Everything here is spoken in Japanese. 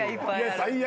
最悪。